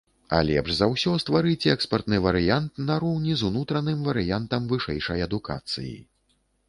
А лепш за ўсё стварыць экспартны варыянт нароўні з унутраным варыянтам вышэйшай адукацыі.